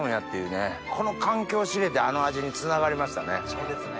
そうですね。